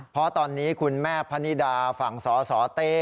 เพราะตอนนี้คุณแม่พนิดาฝั่งสสเต้